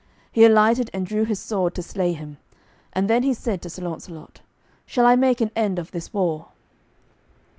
He alighted and drew his sword to slay him, and then he said to Sir Launcelot, "Shall I make an end of this war?"